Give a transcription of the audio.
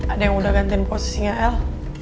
ada yang udah gantiin posisinya l